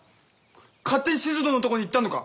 勝手にしず殿の所に行ったのか？